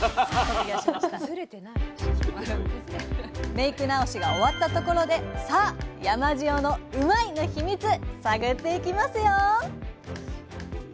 メイク直しが終わったところでさあ山塩のうまいッ！のヒミツ探っていきますよ！